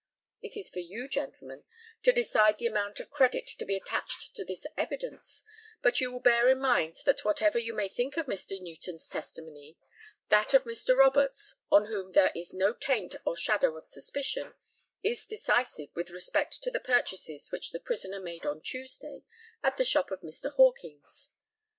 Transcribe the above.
It is for you, gentlemen, to decide the amount of credit to be attached to this evidence; but you will bear in mind that whatever you may think of Mr. Newton's testimony, that of Mr. Roberts, on whom there is no taint or shadow of suspicion, is decisive with respect to the purchases which the prisoner made on Tuesday at the shop of Mr. Hawkings.